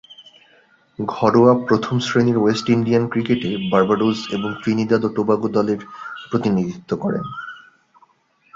ঘরোয়া প্রথম-শ্রেণীর West Indian ক্রিকেটে বার্বাডোস এবং ত্রিনিদাদ ও টোবাগো দলের প্রতিনিধিত্ব করেন।